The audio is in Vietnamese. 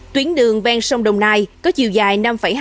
tuyến đường ven sông đồng nai